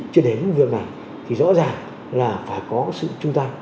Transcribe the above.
cho đến vườn này thì rõ ràng là phải có sự chung tay